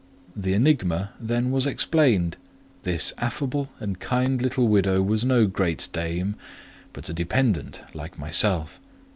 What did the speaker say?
The enigma then was explained: this affable and kind little widow was no great dame; but a dependent like myself.